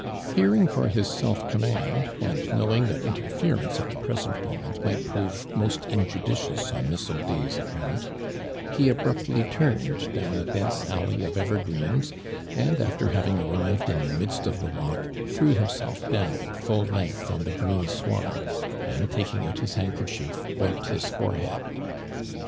Fearing for his yelf command, and knowing that interfe rence at the present moment might prove most injudicious on Miss Audefs account, he abruptly turned down a dense alley of evergreens, and after having arrived in the midst of the walk, threw himself down full length on the graen sward, and taking out his handkerchief wiped his forehead.